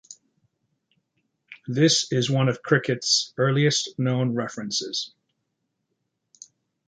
This is one of cricket's earliest known references.